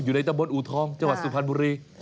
เอออยู่ในตำบลอูทองจังหวัดสุพรรณบุรี